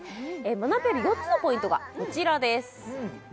学べる４つのポイントがこちらです